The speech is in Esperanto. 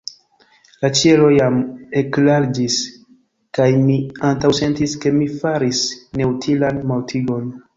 La ĉielo jam ekklariĝis, kaj mi antaŭsentis, ke mi faris neutilan mortigon.